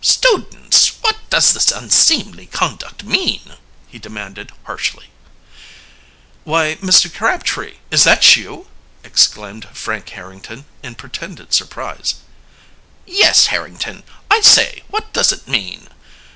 "Students, what does this unseemly conduct mean?" he demanded harshly. "Why, Mr. Crabtree, is that you!" exclaimed Frank Harrington in pretended surprise. "Yes, Harrington. I say, what does it mean?"